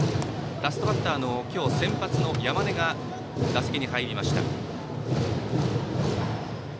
ラストバッター、今日先発の山根が打席に入りました。